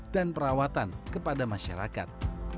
dan perawatan kepada masyarakat